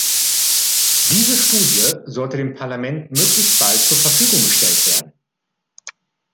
Diese Studie sollte dem Parlament möglichst bald zur Verfügung gestellt werden.